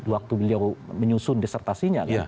waktu beliau menyusun desertasinya